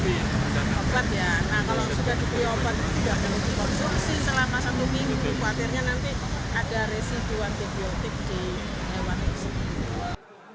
khawatirnya nanti ada residu antibiotik di hewan itu